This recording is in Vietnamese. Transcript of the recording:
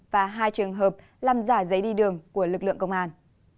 và hai trường hợp làm giả giấy đi đường của lực lượng công an